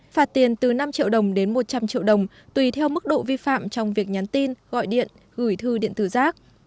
phạt tiền từ năm triệu đồng đến một trăm linh triệu đồng tùy theo mức độ vi phạm trong việc nhắn tin gọi điện gửi thư điện tử rác